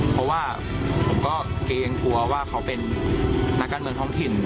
เพราะว่าผมก็เกรงกลัวว่าเขาเป็นนักการเมืองท้องถิ่น